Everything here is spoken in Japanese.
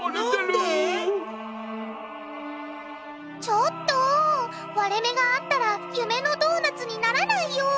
ちょっと割れ目があったら夢のドーナツにならないよ。